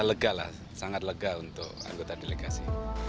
lega lah sangat lega untuk anggota delegasi